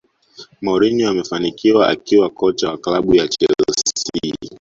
Mourinho amefanikiwa akiwa kocha wa klabu ya chelsea